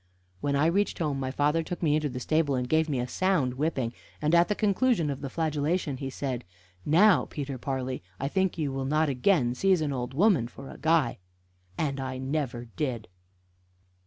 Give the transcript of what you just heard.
When I reached home my father took me into the stable and gave me a sound whipping, and at the conclusion of the flagellation said: "Now, Peter Parley, I think you will not again seize an old woman for a guy!" And I never did.